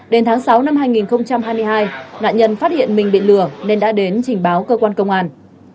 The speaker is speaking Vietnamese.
đến tháng sáu năm hai nghìn hai mươi hai nạn nhân phát hiện mình bị lừa nên đã đến trình báo cơ quan công an